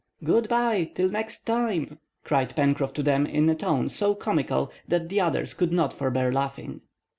"Good bye till next time," cried Pencroff to them, in a tone so comical that the others could not forbear laughing.